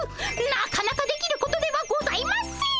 なかなかできることではございません！